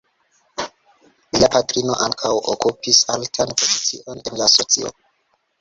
Lia patrino ankaŭ okupis altan pozicion en la socio.